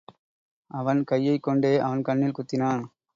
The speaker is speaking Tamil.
அவன் கையைக் கொண்டே அவன் கண்ணில் குத்தினான்.